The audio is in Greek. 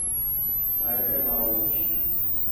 Μα έτρεμα όλος